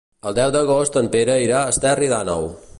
El deu d'agost en Pere irà a Esterri d'Àneu.